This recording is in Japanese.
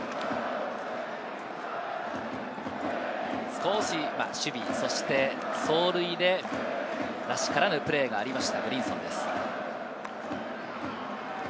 少し守備、走塁でらしからぬプレーがありました、ブリンソンです。